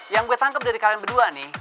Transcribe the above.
yang gue tangkap dari kalian berdua nih